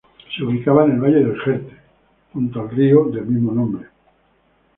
Se ubicaba en el valle del Jerte junto al río Jerte.